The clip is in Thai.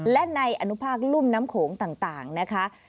และในอนุภาคลุ่มน้ำโขงต่างนะคะ